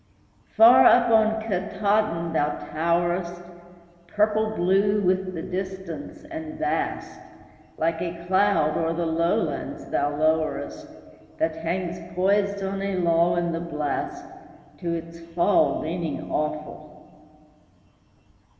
Far up on Katahdin thou towerest, Purple blue with the distance and vast; Like a cloud o'er the lowlands thou lowerest, That hangs poised on a lull in the blast, To its fall leaning awful.